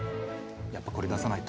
やっぱこれ出さないと。